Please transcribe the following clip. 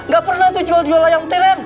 gak pernah itu jualan ayam tiren